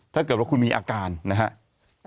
ถ้าเกิดว่าคุณมีอาการนะครับ